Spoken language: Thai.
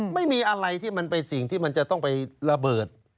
ไม่มีอะไรที่มันเป็นสิ่งที่มันจะต้องไประเบิด